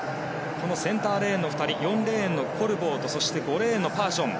センターレーンの２人４レーンのコルボーとそして５レーンのパーション。